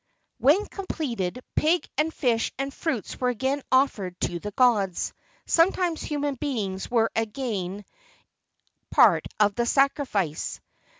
When completed, pig and fish and fruits were again offered to the gods. Sometimes human beings were again a part of the sacrifice.